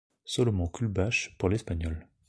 Solomon Kullbach, pour l'espagnol.